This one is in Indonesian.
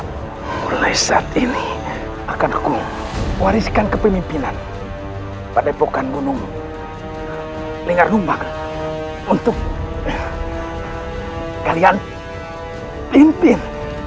mulai saat ini akan aku wariskan kepemimpinan pada epokan gunung untuk kalian pimpin